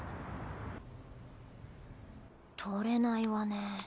取れないわね。